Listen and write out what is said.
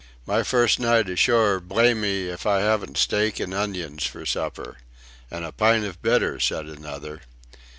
"My first night ashore, blamme if I haven't steak and onions for supper... and a pint of bitter," said another.